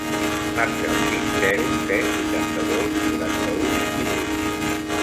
Marca el sis, zero, set, vuitanta-dos, quaranta-u, vint-i-vuit.